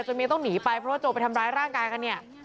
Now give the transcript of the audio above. เมียต้องหนีไปเพราะว่าโจไปทำร้ายร่างกายกันเนี่ย